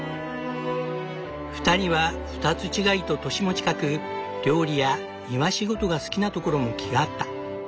２人は２つ違いと年も近く料理や庭仕事が好きなところも気が合った。